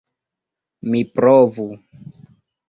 Mi provu.